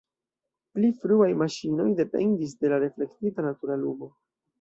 Pli fruaj maŝinoj dependis de la reflektita natura lumo.